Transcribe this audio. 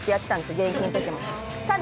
現役のときから。